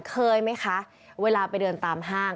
เคยไหมคะเวลาไปเดินตามห้าง